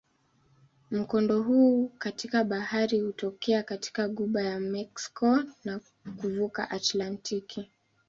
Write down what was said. Mkondo huu katika bahari hutokea katika ghuba ya Meksiko na kuvuka Atlantiki.